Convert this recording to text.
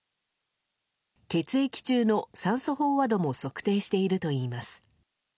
血液中の酸素飽和度も測定しているといいます。